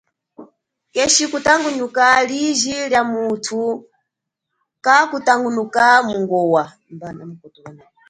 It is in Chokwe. Keshi kutangunuka liji lia muthu, mba kakutangunuka mungowa.